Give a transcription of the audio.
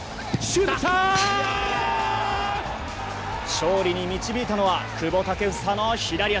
勝利に導いたのは久保建英の左足。